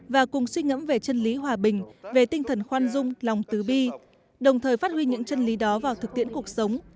và cùng suy ngẫm về chân lý hòa bình về tinh thần khoan dung lòng tứ bi đồng thời phát huy những chân lý đó vào thực tiễn cuộc sống